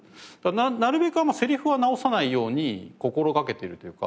なるべくあんまりセリフは直さないように心掛けてるというか。